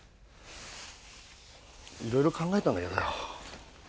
いろいろ考えたんだけどよ